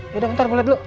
yaudah ntar gue liat dulu